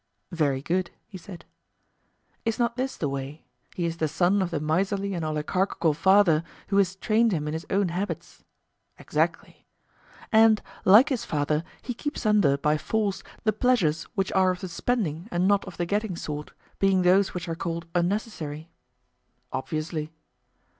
Very good, he said. Is not this the way—he is the son of the miserly and oligarchical father who has trained him in his own habits? Exactly. And, like his father, he keeps under by force the pleasures which are of the spending and not of the getting sort, being those which are called unnecessary? Obviously.